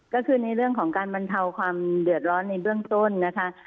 ก็คือในเรื่องของการบรรเทาความเดือดร้อนในเบื้องต้นนะคะ